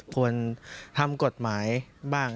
ควรทำกฎหมายบ้าง